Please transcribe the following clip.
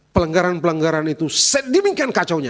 pelanggaran pelanggaran itu sedemikian kacaunya